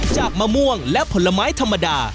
มะม่วงและผลไม้ธรรมดา